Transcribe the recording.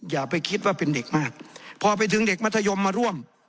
อย่าไปคิดว่าเป็นเด็กมากพอไปถึงเด็กมัธยมมาร่วม